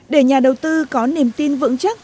để nhà đầu tư có niềm tin vững chắc